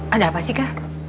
ada apa sih kak